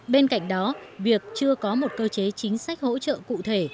bên cạnh đó việc chưa có một cơ chế chính sách hỗ trợ cụ thể